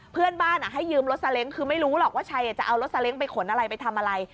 เพื่อนบ้านให้ยืมรถซาเล้งคือไม่รู้หรอกว่าชัยจะเอารถซาเล้งไปขนอะไรไปทำอะไร